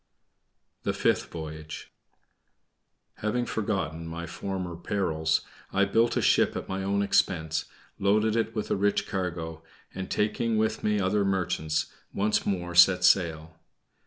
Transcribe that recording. THE FIFTH VOYAGE Having forgotten my former perils, I built a ship at my own expense, loaded it with a rich cargo, and, taking with me other merchants, once more set sail.